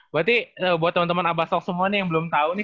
berarti buat teman teman abaso semua nih yang belum tahu nih